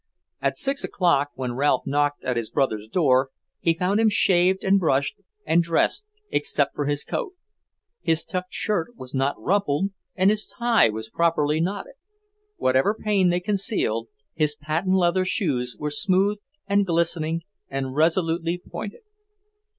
At six o'clock, when Ralph knocked at his brother's door, he found him shaved and brushed, and dressed, except for his coat. His tucked shirt was not rumpled, and his tie was properly knotted. Whatever pain they concealed, his patent leather shoes were smooth and glistening and resolutely pointed.